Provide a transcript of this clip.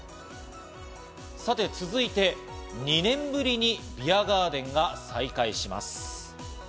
さて、続いて２年ぶりにビアガーデンが再開します。